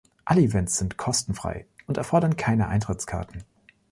Alle Events sind kostenfrei und erfordern keine Eintrittskarten.